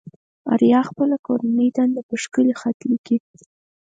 آريا خپله کورنۍ دنده په ښکلي خط ليكي.